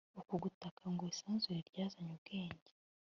uku gutaka ngo isanzure ryanyaze ubwenge